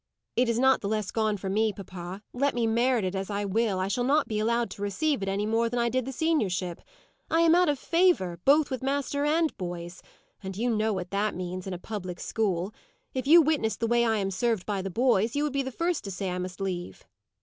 "It is not the less gone for me, papa. Let me merit it as I will, I shall not be allowed to receive it, any more than I did the seniorship. I am out of favour, both with master and boys; and you know what that means, in a public school. If you witnessed the way I am served by the boys, you would be the first to say I must leave."